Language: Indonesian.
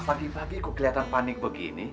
pagi pagi kok keliatan panik begini